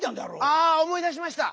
あおもい出しました！